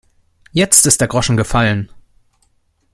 Jetzt ist der Groschen gefallen.